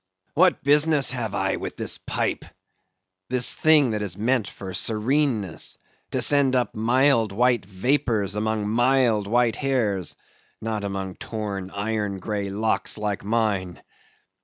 What business have I with this pipe? This thing that is meant for sereneness, to send up mild white vapors among mild white hairs, not among torn iron grey locks like mine.